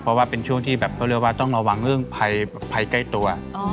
เพราะว่าเป็นช่วงที่แบบเขาเรียกว่าต้องระวังเรื่องภัยใกล้ตัว